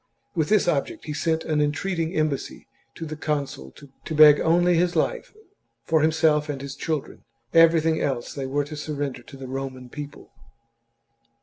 With this object XLVI he sent an entreating embassy to the consul to beg only life for himself and his children ; everything else they were to surrender to the Roman people.